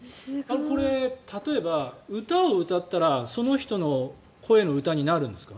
これ、例えば歌を歌ったらその人の声の歌になるんですか。